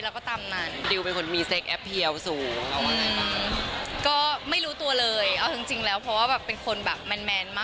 เราก็จะแซ่บมากไม่ได้อยู่แล้วนึกออกไหม